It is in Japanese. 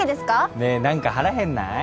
ねえなんか腹減んない？